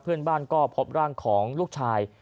เพื่อนบ้านก็พบร่างของลูกชาย